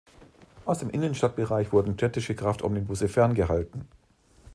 Aus dem Innenstadtbereich wurden städtische Kraftomnibusse ferngehalten.